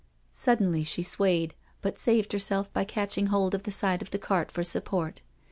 ••." Suddenly she swayed, but saved herself by catching hold of the side of the cart for support.